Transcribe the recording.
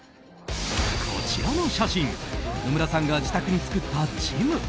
こちらの写真野村さんが自宅に作ったジム。